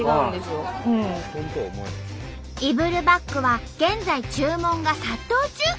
イブルバッグは現在注文が殺到中！